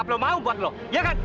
lo mau buat lo ya kan